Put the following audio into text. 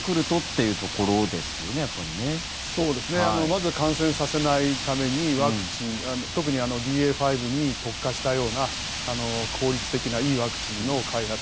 まず感染させないためにワクチン特にＢＡ．５に特化したような効率的ないいワクチンの開発